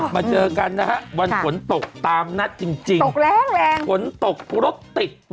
มาเจอกันนะคะวันฝนตกตามนะจริงจริงตกแรงแรงฝนตกพอรถติด